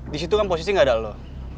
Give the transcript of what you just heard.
di situ kan posisi nggak ada loh